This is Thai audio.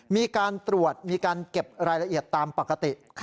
มีการตรวจมีการเก็บรายละเอียดตามปกติ